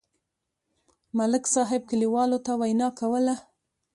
ملک صاحب کلیوالو ته وینا کوله.